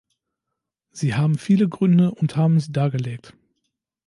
Sie haben viele Gründe und haben sie dargelegt.